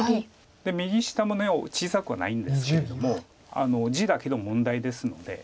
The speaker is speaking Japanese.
右下も小さくはないんですけれども地だけの問題ですので。